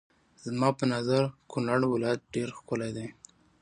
زما په نظر کونړ ولايت ډېر ښکلی دی.